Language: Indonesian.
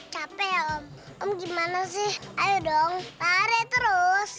capek ya om om gimana sih ayo dong lari terus